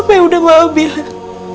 apa yang udah mau bilang